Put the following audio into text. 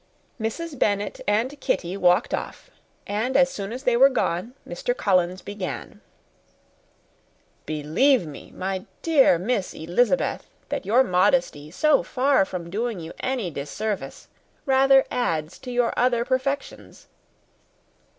Mrs. Bennet and Kitty walked off, and as soon as they were gone, Mr. Collins began, "Believe me, my dear Miss Elizabeth, that your modesty, so far from doing you any disservice, rather adds to your other perfections.